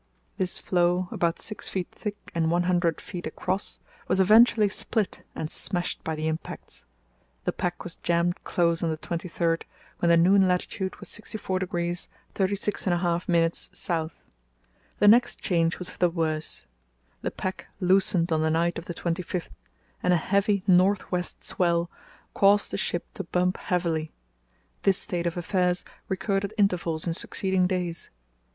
This floe, about six feet thick and 100 ft. across, was eventually split and smashed by the impacts. The pack was jammed close on the 23rd, when the noon latitude was 64° 36½´ S. The next change was for the worse. The pack loosened on the night of the 25th, and a heavy north west swell caused the ship to bump heavily. This state of affairs recurred at intervals in succeeding days.